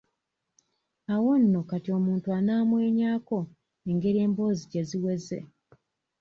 Awo nno kati omuntu anaamwenyaako engeri emboozi gye ziweze.